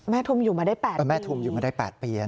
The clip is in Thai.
แม่ทุ่มอยู่มาได้๘ปี